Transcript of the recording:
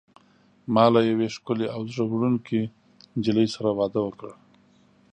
ما له یوې ښکلي او زړه وړونکي نجلۍ سره واده وکړ.